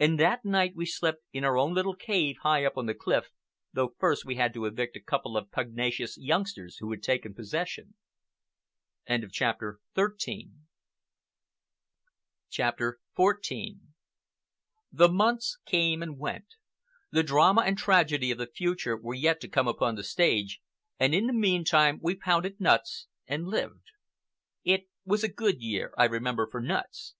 And that night we slept in our own little cave high up on the cliff, though first we had to evict a couple of pugnacious youngsters who had taken possession. CHAPTER XIV The months came and went. The drama and tragedy of the future were yet to come upon the stage, and in the meantime we pounded nuts and lived. It was a good year, I remember, for nuts.